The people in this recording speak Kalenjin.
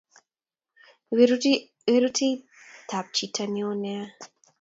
iweruit ab chito newon nea